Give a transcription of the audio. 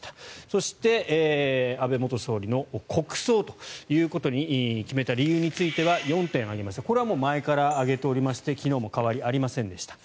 そして、安倍元総理の国葬ということに決めた理由については４点ありましてこれは前から挙げておりまして昨日から変わりはありませんでした。